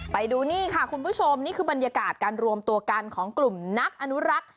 ไปดูนี่ค่ะคุณผู้ชมนี่คือบรรยากาศการรวมตัวกันของกลุ่มนักอนุรักษ์